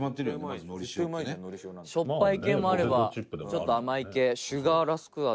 しょっぱい系もあればちょっと甘い系シュガーラスク味。